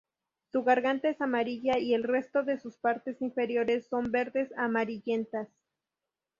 Su garganta es amarilla, y el resto de sus partes inferiores son verdes amarillentas.